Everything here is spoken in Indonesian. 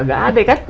gak ada kan